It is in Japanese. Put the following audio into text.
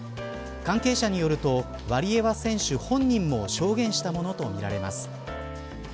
関係者によるとワリエワ選手本人も証言したものとみられます。